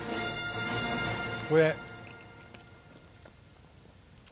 これ。